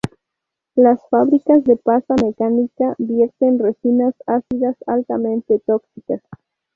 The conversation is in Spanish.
Las fábricas de pasta mecánica vierten resinas ácidas altamente tóxicas.